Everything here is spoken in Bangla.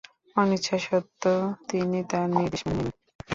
অনিচ্ছা সত্ত্বেও তিনি তাঁর নির্দেশ মেনে নিলেন।